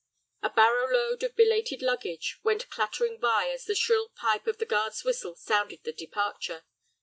A barrow load of belated luggage went clattering by as the shrill pipe of the guard's whistle sounded the departure.